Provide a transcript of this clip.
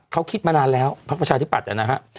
เขาคิดมานานแล้วภาคประชาชนิปัตย์อ่ะนะฮะ